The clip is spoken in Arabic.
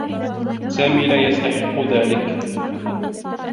سامي لا يستحقّ ذلك.